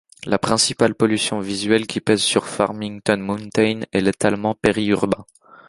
La principale pollution visuelle qui pèse sur Farmington Mountain est l'étalement périurbain.